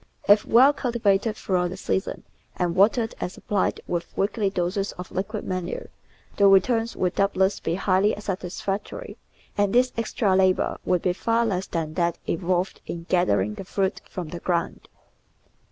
If well cultivated throughout the season, and watered and supplied with weekly doses of liquid manure, the returns would doubtless be highly sat isfactory, and this extra labour would be far less than that involved in gathering the fruit from the ground.